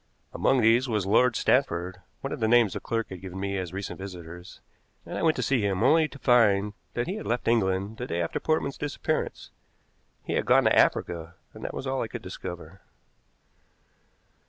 Among these was Lord Stanford, one of the names the clerk had given me as recent visitors, and I went to see him, only to find that he had left England the day after Portman's disappearance. He had gone to Africa, and that was all I could discover.